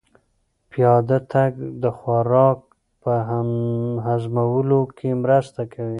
پیاده تګ د خوراک په هضمولو کې مرسته کوي.